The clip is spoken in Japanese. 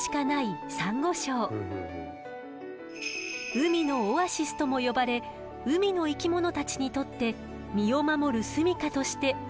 海のオアシスとも呼ばれ海の生き物たちにとって身を守る住みかとして大切な存在。